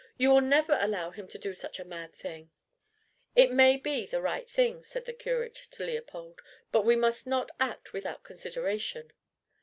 You will never allow him to do such a mad thing!" "It may be the right thing," said the curate to Leopold, "but we must not act without consideration."